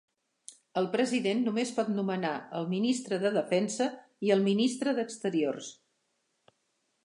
El president només pot nomenar el ministre de Defensa i el ministre d'Exteriors.